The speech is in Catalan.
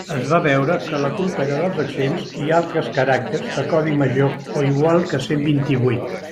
Es va veure que la culpa era dels accents i altres caràcters de codi major o igual que cent vint-i-vuit.